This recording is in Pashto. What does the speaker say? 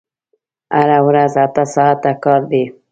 هره ورځ اته ساعته کار دی!